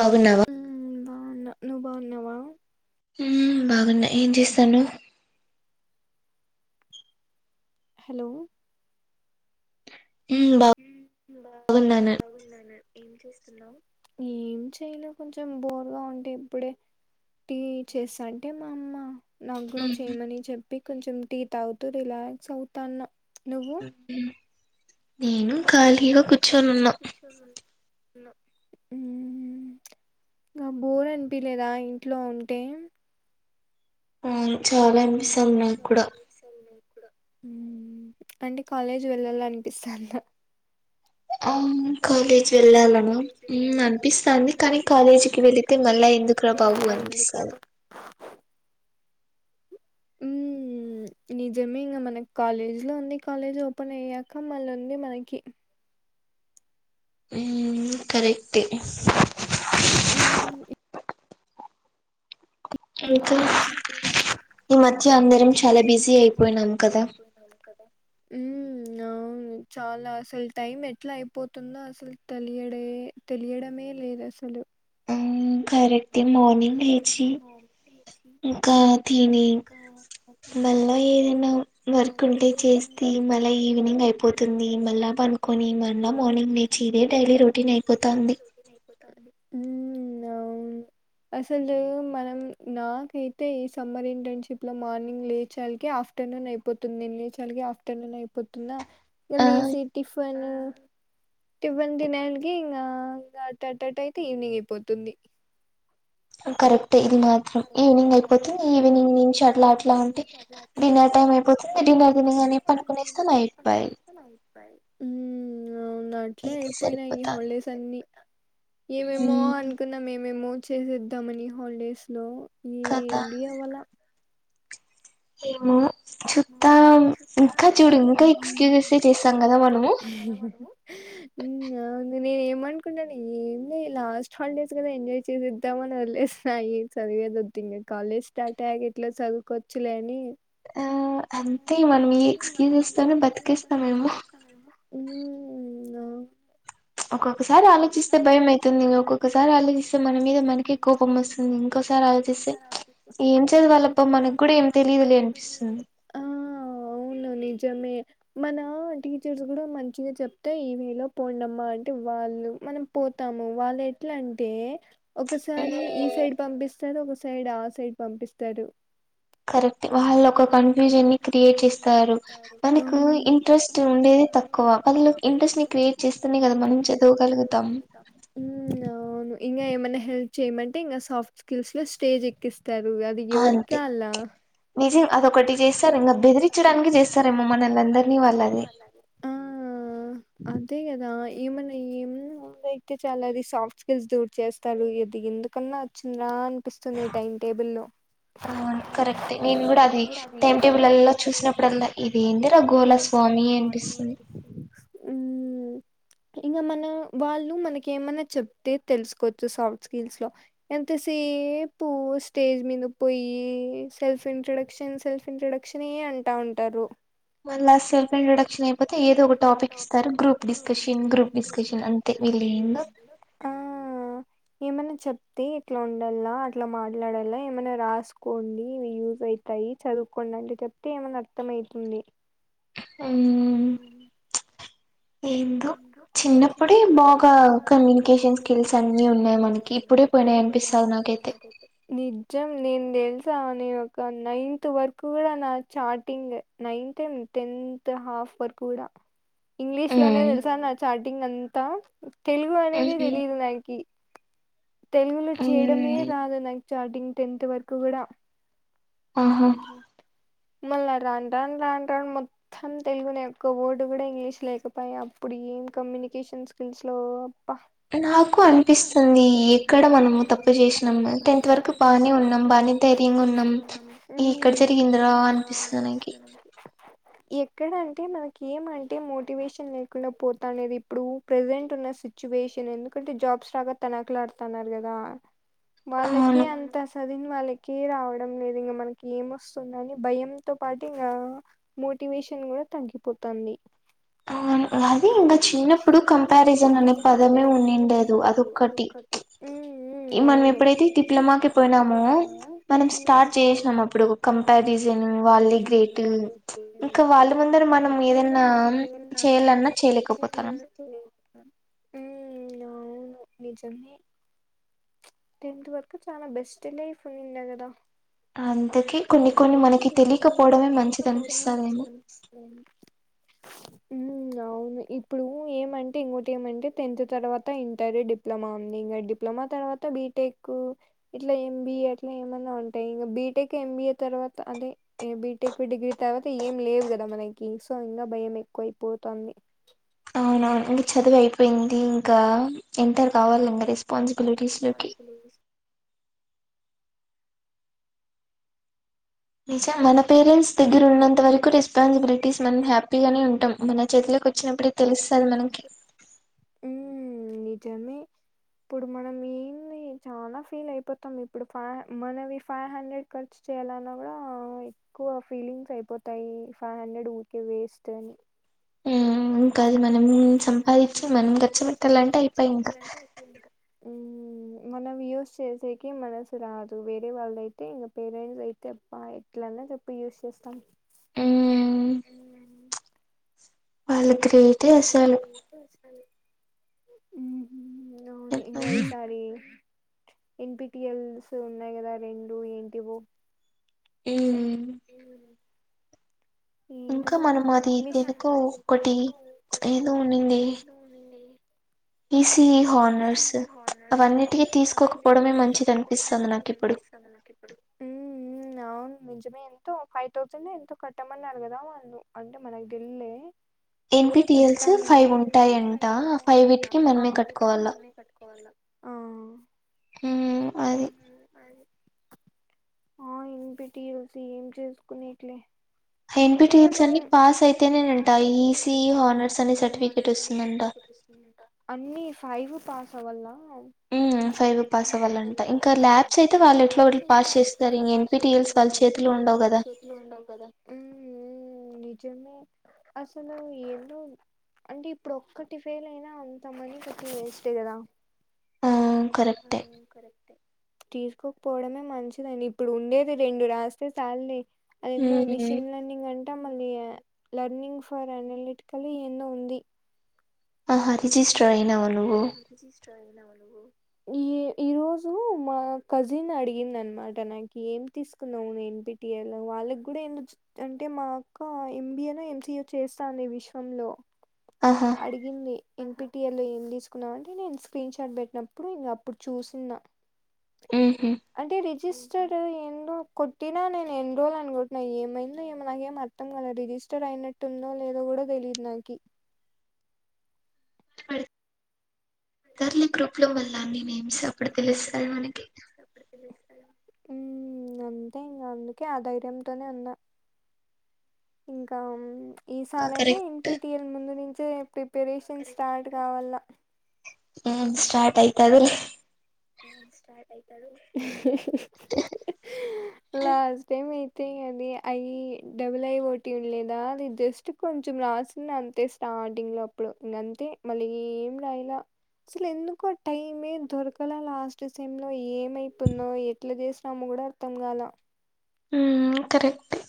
బాగున్నావా ఉమ్ బావున్న నువ్ బావున్నావా మ్మ్ బాగున్నా ఏం చేస్తానవ్ హలో మ్మ్ మ్మ్ బా బాగున్నాను బాగున్నాను ఏం చేస్తున్నావ్ ఏం చెయలే కొంచెం బోర్గా ఉంటే ఇప్పుడే టీ చేస్తా అంటే మా అమ్మ నాగూడ మ్మ్ చేయమని చెప్పి కొంచెం టీ తాగుతూ రిలాక్స్ అవుతాన్న నువ్వు నేను ఖాళీగా కూర్చొని ఉన్నా [unintelligible] మ్ బోర్ అనిపియలేదా ఇంట్లో ఉంటే అవును చాలా అయిం ఎందుకు చాలా [unintelligible] హ్ అండి కాలేజ్ వెళ్ళాలి అనిపిస్తుందా అవును కాలేజ్ వెళ్ళాలనీ మ్ వెళ్ళాలని అనిపిస్తాంది. ఉమ్ కానీ అనిపిస్తుంది కాలేజీకిి వెళితే మళ్ళా ఎందుకు రా బాబు అనిపిస్ రతో హ్ మ్ నిజమే ఇంగ మనకి కాలేజ్ లో ఉంది కాలేజ్ ఓపెన్ అయ్యాక మళ్ళ ఉంది. మనకి మ్ కరే కరెక్టు హ్ ఈ మధ్య అందరం చాలా బిజీ అయిపోయినం కదా అవును కదా మ్ అవును చాలా అసలు టైం ఎట్లా అయిపోతుందో అసలు తెలియదే తెలియడమే లేదు అసలు మ్మ్ కరెక్టే మార్నింగ్ లేచి ఇంకా తీని మళ్ళా ఏదైనా వర్క్ ఉంటే చేస్తే మళ్ళ ఈవినింగ్ అయిపోతుంది. మళ్ళా పం కొనీమన్నా మార్నింగ్ లేచి ఇదే డైలీ రొటీన్ అయిపోతాంది హ్ అవును అసలూ మనం నాకైతే ఈ సమ్మర్ ఇంటర్న్షిప్ ల మార్నింగ్ లేచాల్కే ఆఫ్ టర్నూన్ అయిపోతుంది. నెన్ లేచాల్కే ఆఫ్టర్నూన్ అయిపోతుందా ఇగ ఆ లేసి టిఫను టిఫిన్ తినేళ్లకి ఇంగా ఇంగ అట్టట్టట్టైతే ఈవినింగ్ అయిపోతుంది. కరెక్ట్ ఇది మా త్రం ఈవినింగ్ అయిపోతుంది ఈవినింగ్ నుంచి అట్లా అట్లా ఉంటే డిన్నర్ టైం అయిపోతుంది డిన్నర్ దినింగనే మ్ అవునట్ అట్లా ఇదే అయిపోయినాయి సరిపోతాంది హాలిడేస్ అన్ని ఏమేమో మ్మ్ అనుకున్నం ఏమేమో చేసేద్దామని హాలిడేస్ లో కదా ఏంది అవ్వాల ఏమో మ చూద్దాం ఇంకా చుట్టాలు చూడు ఇంకా ఇంక చూడూ ఎక్స్క్యూజెసే ఇంక చేస్తాం ఏస్క్యూజ్ కదా ఐతే మనము [unintelligible] మ్ ఆ బావుంది నేనేమనుకున్ననే ఏంలే ఈ లాస్ట్ హాలిడేస్ కదా ఎంజాయ్ చేసేద్దామని వదిలేసా సదివేది వద్దు ఇంగ కాలేజ్ స్టార్ట్ అయ్యాక ఏట్లా సదువుకోవచ్చులే అని ఆ అంతే మనం ఈ ఎక్స్క్యూజెస్ తోనే బతికిస్తామేమో హ్ మ ఒక్కొక్కసారి ఆలోచిస్తే భయం అయితుంది ఇంగ ఒక్కొక్కసారి ఆలోచిస్తే మన మీద మనకే కోపం వస్తుంది మ్ ఇంకోసారి ఆలోచిస్తే ఏం చదువాలబ్బ మనక్ గూడ ఏం తెలియదు లే అనిపిస్తుంది ఆ అవును నిజమే మనా టీచర్స్ గూడా మంచిగా చెప్తే ఈ నెల పోండమా అం టే వాళ్ళు మనం పోతాము వాళ్ళు ఎట్ల అంటే ఒకసారి ఈ సైడ్ పంపిస్ స్తాడు ఒక సైడ్ ఆ సైడ్ పంపిస్తరు కరెక్టె వాళ్ళు ఒక కన్ఫ్యూజన్ ని క్రియేట్ చేస్తారు మనకు ఉమ్ ఇంట్రెస్ట్ ఉండేది తక్ క్కువ వాళ్ళ్ ఈళ్లక్ ఇంట్రెస్ట్ ని క్రియేట్ చేస్తనే గదా మనం చదవగలుగుతాం ఊమ్ అవును ఇంగా ఏమన్న హెల్ప్ చేయమంటే ఇంగ సాఫ్ట్ స్కిల్స్ లో స్టేజ్ ఎక్కిస్ త్తరు అది అంతే ఎవరిక్కాల్ల నిజం అదొక్కటి జేస్తారింగ బెదిరిచ్చడానికి జేస్తారేమో మనల్ నందరినీ వాళ్ళది ఓ అంతే గదా ఈమన్న ఈఏమన్ అయితే చాలది సాఫ్ట్ స్కిల్స్ ది చేస్తారు ఇది ఎందుకన్నా వచ్చింద అన్పిస్తుంది టైం టేబుల్ ల్లో అవును కరెక్టే నేను కూడా నేన్ గుడ అది టైమ్ టైం టేబుల్లలో టేబుల్లల్లో చూసినప్పుడల్లా ఇది చూస్నప్పుడల్లా ఏందిరా గోళ ఇదేందిరా గోల స్వామి అనిపిస్తుంది అన్పిస్తుంది ఊ ఇంగా మన వాళ్ళు మనకి ఏమైన్న చెప్తే తెల్సుకోచ్చు సాఫ్ట్ స్కిల్స్ లో ఎంతసేపు స్టేజ్ మింద పొయ్యి సెల్ఫ్ ఇంట్రడక్ క్షన్ సెల్ఫ్ ఇంట్రడక్షనే అంటా ఉంటారు మళ్ళా సెల్ఫ్ ఇంట్రడక్షన్ ఏమ్ పొతే ఏదో ఒక టాపిక్కిస్తారు గ్రూప్ డిస్కర్షన్ గ్రూప్ డిస్కష్షన్ అంతే వీళ్ళేందో ఏమన్న చొప్తే ఇట్లా ఉండల్ల అట్లా మాట్లాడల్ల ఏమన్న రాస్కోండి ఇవి యూజ్ అయ్ తాయి చదువుకోండి అంటె చొప్తే ఏమన్న అర్థమైతుంది ఊమ్ ఎందో చిన్నప్పుడే బాగా కమ్యూనికేషన్ స్కిల్స్ అన్నీ ఉన్నాయ్ మనకి ఇప్పుడు స్కూలు పోయినాయ్ అన్పిస్తాంది నాకైతే నిజ్జం నేన్ దెల్సా నెనొకా నైన్తు వరుకు గుడ నా చాటింగ్ నైన్తేమ్ టెన్త్ హాఫ్ వర్కు గుడా ఇంగ్లీష్ ట్లోనే ఉమ్ దెల్సా నా చాటింగ్ అంతా తెలుగు అనేది ఉహు దెలీదు నాకి తెలుగులో చేయడమే ఉమ్ రాదు నాక్ చాటింగ్ టెన్త్ వరుకు గుడా ఆహా మళ్ళ రాన్ రాన్ రాన్ రాన్ మొ త్తం తెలుగునే ఒక్క వర్డ్ గూడ ఇంగ్లీష్ లేకపాయ అప్పుడు ఏం కమ్యూనికేషన్ స్కిల్స్ లో అప్పా నాకు అన్పిస్తుంది ఎక్కడ మనము తప్పు జేష్నం టెన్త్ వరకు బానే ఉన్నం బానే బానే చదువుకున్నం ఈక్కడ జరిగింద్రా అన్పిస్తద్ నకి ఎక్కడ అంటే మనకి ఏమంటే మోటివేషన్ లేకుండా పోతానేది ఇప్పుడు ప్రెజెంటున్న సిచ్యువేషన్ ఎందుకంటే జాబ్స్ రాకా తనఖ్ లాడతన్నారు గదా వాళ్ళకే అవును అంత సదివిన వాళ్ళకే రావడం లేదు ఇంగ మన కేమొస్తుందని భయంతో పాటు ఇంగా మోటివేషన్ గూడ తగ్గిపోతాంది అవును అది ఇంగ చిన్నప్పుడు కంపారిజన్ అనే పదమే ఉంన్నిండదు అదొక్కటి ఉ ఇ మనం ఎప్పుడైతే డిప్లమాకి పోయినమో మనం స్టార్ట్ జేష్నాం అప్పుడు కంప్యారిజనూ వాళ్ళే గ్రేటు ఇంకా వాళ్ళుముందర మనము ఏదన్నామ్ చేయ్యల్లన్న చేయలేకపోతన్నం ఊమ్ అవును నిజమే టెన్త్ వరకు చాలా బెస్ట్ లైఫ్ ఉన్నిది కాద అందుకే కొన్ని కొన్ని మనకి తెలియకపోవడమే మంచిది అనిపిస్తాదేమో అవును ఉమ్ అవును ఇప్పుడూ ఏమంటె ఇంగోటి ఏమంటే టెన్త్ తర్వాత ఇంటరు డిప్ ప్లొమా ఉంది ఇంగ డిప్లొమా తర్వాత బీటెక్కు ఇట్లా ఎంబీఏ అట్లా ఏమైన్నా ఉంటాయి ఇంకా బీటెక్ ఎంబీఏ తర్వాత అదే ఏ బీటెక్ డిగ్రీ తర్వాత ఏం లేవు కదా మనకి సో ఇంగా భయం ఎక్కువ అయిపోతాంది అవునవును ఇంకా చదువు అయిపోయింది ఇంకా ఎంటర్ కావాలి ఇంగ రెస్పాన్సిబిలిటీస్ లోకి నిజం మన పేరెంట్స్ దగ్గర ఉన్నంత వరకు రెస్పాన్సిబిలిటీస్ మనం హ్యాపీగానే ఉంటాం మన చేతిలోకి వచ్చినప్పుడే తెలుస్తది మనకి ఉమ్ నిజమే ఇప్పుడు మనం ఏంది చాలా ఫీల్ అయిపోతాం ఇప్పుడు ఫై మనవి ఫైవ్ హండ్రెడ్ ఖర్చు చేయాలన్నా కూడా ఎక్కువ ఫీలింగ్స్ అయిపోతాయి ఫైవ్ హండ్రెడ్ ఊరికే వేస్ట్ అని ఉమ్ ఇంకా అది మనం సంపాదించి మనం ఖర్చు పెట్టాలంటే అయిపాయే ఇంకా ఉమ్మ్ మనం యోస్ చేసేకి మనసు రాదు వేరే వాళ్ళదయితే ఇంకా పేరెంట్స్ అయితే అబ్బా ఎట్లన్నా చెప్పి యూస్ చేస్తాం మ్మ్ వాళ్ళు గ్రేట్ వాళ్ళు గ్రేట్ అస్సలు అవును ఇంగ ఈ సారి ఎన్పిటిఎల్స్ ఉన్నాయి కదా రెండు ఏంటివో ఉమ్ ఉమ్మ్ ఇంకా ఏంటివో మనం సామి అది మిస్ దేనికో ఒకటి ఏదో ఇసిఇ ఈసిఈ హార్నర్స్ అవన్నిటికి తీసుకోకపోవడమే మంచిది తీసుకోకపోవడమే అనిపిస్తుంది నాకు మంచిది ఇప్పుడు అనిపిస్తది నాకు ఇప్పుడు అవును నిజమే ఎంతో ఫైవ్ థౌసండ్ ఎంతో కట్టమన్నారు కదా వాళ్ళును అంటే మనకి తెల్దులే ఎన్పిటిఎల్స్ ఫైవ్ ఉంటాయంట ఫైవ్ ఇట్కి మనమే కట్టుకోవాలా ఆ ఉమ్ అది ఆ ఎంపిటీయల్స్ ఏం చేసుకునేకిలే ఎన్పిటియల్స్ అన్ని పాస్ అయితేనేనంట ఈసిఈ హనర్స్ అని సర్టిఫికేట్ వస్తుందంట అన్ని ఫైవ్ పాస్ అవ్వాల ఉమ్మ్ ఫైవ్ పాస్ అవ్వాలంట ఇంకా ల్యాబ్స్ అయితే వాళ్ళు ఎట్లో గట్ల పాస్ చేస్తారు ఇంక ఎన్ పిటియల్స్ వాళ్ళ చేతిలొ ఉండవు కదా ఉమ్ నిజమే అసలు ఏందో అంటే ఇప్పుడు ఒక్కటి ఫెయిల్ అయినా అంత మినీ కట్టి వేస్టే కదా ఆ కరెక్టే అవును కరెక్టే తీసుకోకపోవడమే మంచిదండి ఇప్పుడు ఉండేది రెండు రాస్తే చాల్లే అదెందో మిషిన్ లెర్నింగ్ నింగ్ అంట మళ్ళీ లర్నింగ్ ఫర్ అనాలటికల్ ఏందో ఉంది ఆహ రిజిస్టర్ అయినవా నువ్వు ఆహా రిజిస్టర్ అయినావా నువ్వు ఈ ఈ రోజు మా కసిన్ అడిగిందనమాట నాకి ఏం తీసుకున్నావు విన్పి టి ఏ లో వాళ్ళకి కూడా [unintelligible] అంటే మా అక్క M B A no M C A చేస్తాంది విశ్వం లో ఆహా అడిగింది ఎన్ పి టి ఎల్ లో ఏం తీసుకున్నావు అంటే నేను స్క్రీన్ షాట్ పెట్టినప్పుడు ఇంగ అప్పుడు చూసిన్నా ఊహూ అంటే రిజిస్టర్డ్ ఏందో కొట్టినా నేను ఎన్రోల్ అని కొట్టినా ఏమైందో ఏమో నాకేం అర్ ర్తం కాలా రిజిస్టర్ అయినట్టుందో లేదో కూడా తెలియదు నాకి ఫర్ తర్లీ గ్రూప్ లో వల్ల నేమ్స్ అప్పుడు తెలుస్తాది మనకి ఉమ్ అంతే ఇంగ అందుకే ఆ ధైర్యంతోనే ఉన్నా ఇంకా మ్మ్ ఈ సారైనా N correct P T L ముందు నుంచే ప్రిపరేషన్ స్టార్ట్ గావాల ఉమ్ స్టార్ట్ అయితాదిలే లాస్ట్ టైం ఐ తే అది అయ్యి డబల్ ఐ ఓ టీ ఉండలేదా అది జస్ట్ కొంచం రాసిన్నా అంతే టాటింగ్ లో అప్పుడు ఇంగ అంతే మళ్ళీ ఏం రాయలా అసలు ఎందుకో టైమే దొరక్ కలా లాస్ట్ సెమ్ లో ఏమైతుందో ఎట్ల చేసినామో గూడ అర్థం కాలా ఉమ్ కరెక్టే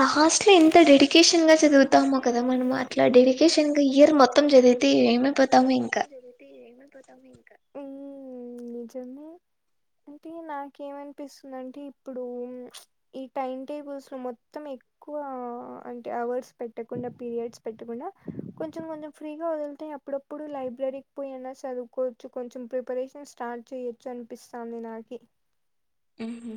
లాస్ట్ లో ఎంత డెడికేషన్ గా చదువుతామో కదా మనం అట్లా డెడికేషన్ గా ఇయర్ మొత్ మాట్లాడితే సింగ్ ఇయర్ మొత్తం జరిగితే ఏమైపోతామో ఇం ఉమ్ నిజమే అంటే నాకేం అన్పిస్తుందంటే ఇప్పుడు ఈ టైం టేబుల్స్ లో మొత్తం ఎక్ క్కువ అంటే అవర్స్ పెట్టకుండా పీరియడ్స్ పెట్టకుండా కొంచెం కొంచెం ఫ్రీగా వదులుతే అప్పుడ ప్పుడు లైబ్రరీకి పొయ్యి అన్నా చదువుకోవచ్చు కొంచెం ప్రిపరేషన్ స్టార్ట్ చేయొచ్చు అనిపిస్తాంది నాకి ఊహూ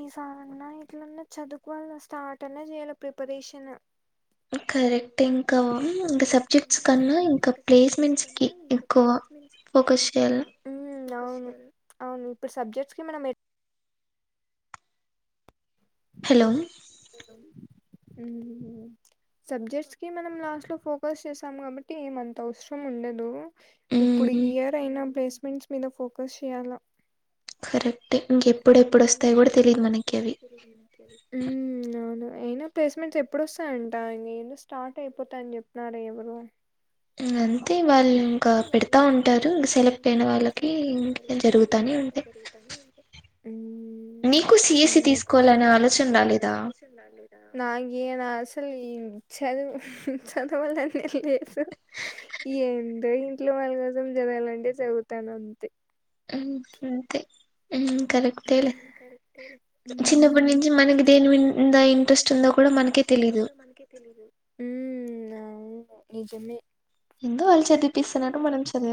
ఈసారి అన్నా ఎట్లన్నా చదువుకోవాల స్టార్ట్ అన్నా చేయ్యాల ప్రిపరేషన్ కరెక్ట్ ఇంకా ఇంక సబ్జెక్ట్స్ కన్నా ఇంక ప్లేస్మెంట్స్ కి ఎక్కువ ఫోకస్ చెయ్యాల ఉమ్ అవును అవును ఇప్పుడు సబ్జెక్ట్స్ కి మనం ఎ హలో ఉమ్ సబ్జెక్ట్స్ కి మనం లాస్ట్ లో ఫోకస్ చేశాం కాబట్టి ఏం అంత అవసరం ఉండదు ఇప్పుడు ఉమ్ ఈ ఇయర్ అయినా ప్లేస్మెంట్స్ మీద ఫోకస్ చేయాల కరెక్టే ఇంకెప్పుడెప్పుడు వస్తాయో గూడ తెలీదు మనకి అవి [unintelligible] అవును అయినా ప్లేస్మెంట్స్ ఎప్పుడోస్తాయంట నేనూ స్టార్ట్ అయిపోతా అని చెప్పినారు ఎవరో అంతే వాళ్ళు ఇంకా అయితే వాళ్ళు పెడతా ఇంకా ఉంటారు ఇంక సెలెక్ట్ అయిన పెడతామంటారు ఇంక వాళ్ళకి సెలెక్ట్ అయిన ఇంక వాళ్ళకి [inaudible] జరుగుతానే ఉంటాయి ఉమ్ నీకు సిఎస్సి సర్లే తీసుకోవాలనే ఆలోచన రాలేదా ఐ నాకేం రా అసలు చదువు చదవాలనే లేదు ఏందో ఇంట్లో వాళ్ళ కోసం చదవాలంటే చదువుతానం అంతే మ్ అంతే మ్ కరెక్ కరెక్టే చిన్నప్పటి నుంచి మనకి దేని మిన్ ఉంద ఇంట్రెస్ట్ ఉందో కూడ మనకే తెలీదు మనకె తెలీదు మ్ అవును నిజమే ఎందు వాళ్ళ చెత ఇప్పిస్తునట్టు మనం చద